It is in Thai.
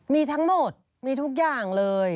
มีทั้งหมดมีทุกอย่างเลย